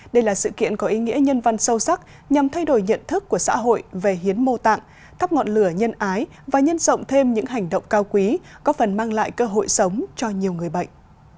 đây là sự kiện có ý nghĩa nhân văn sâu sắc nhằm thay đổi nhận thức của xã hội về hiến mô tạng thắp ngọn lửa nhân ái và nhân rộng thêm những hành động cao quý có phần mang lại cơ hội sống cho nhiều người bệnh